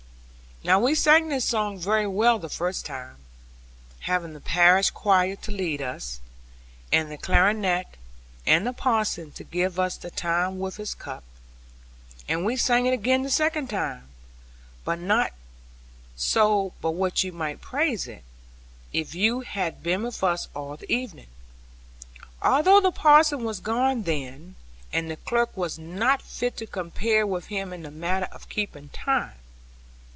Now we sang this song very well the first time, having the parish choir to lead us, and the clarionet, and the parson to give us the time with his cup; and we sang it again the second time, not so but what you might praise it (if you had been with us all the evening), although the parson was gone then, and the clerk not fit to compare with him in the matter of keeping time.